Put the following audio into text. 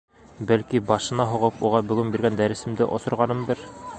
Бәлки, башына һуғып, уға бөгөн биргән дәресемде осорғанмындыр?